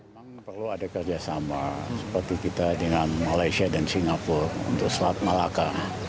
memang perlu ada kerjasama seperti kita dengan malaysia dan singapura untuk selat malaka